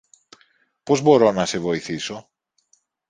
Πώς μπορώ να σε βοηθήσω;